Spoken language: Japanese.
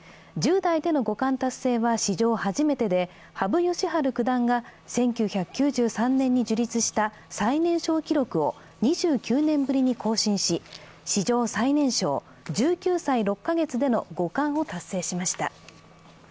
１０代での五冠達成は史上初めてで羽生善治九段が１９９３年に樹立した最年少記録を２９年ぶりに更新し史上最年少、１９歳６カ月での五冠を達成しました。